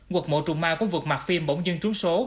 quật mộ trung ma cũng vượt mặt phim bỗng dân trúng số